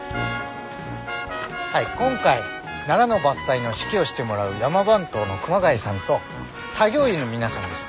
はい今回ナラの伐採の指揮をしてもらう山番頭の熊谷さんと作業員の皆さんです。